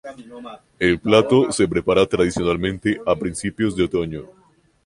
El plato se prepara tradicionalmente a principios del otoño.